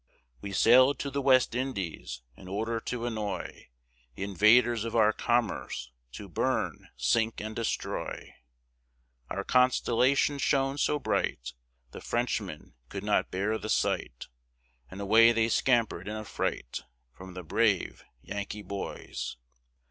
We sailed to the West Indies in order to annoy The invaders of our commerce, to burn, sink, and destroy; Our Constellation shone so bright, The Frenchmen could not bear the sight, And away they scamper'd in affright, From the brave Yankee boys.